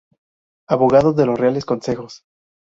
Abogado de los Reales Consejos.